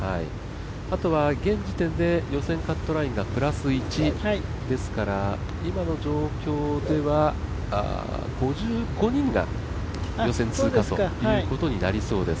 あとは現時点で予選カットラインがプラス１ですから今の状況では、５５人が予選通過ということになりそうです。